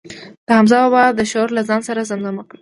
د حمزه بابا دا شعر له ځان سره زمزمه کړ.